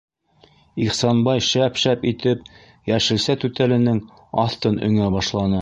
Ихсанбай шәп-шәп итеп йәшелсә түтәленең аҫтын өңә башланы.